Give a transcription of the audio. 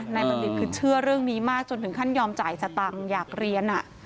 บัณฑิตคือเชื่อเรื่องนี้มากจนถึงขั้นยอมจ่ายสตังค์อยากเรียน